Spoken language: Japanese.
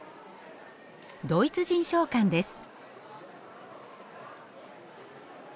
ドイツ人商館です。